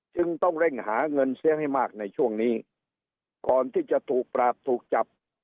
จึงต้องเร่งหาเงินเสียให้มากในช่วงนี้ก่อนที่จะถูกปราบถูกจับ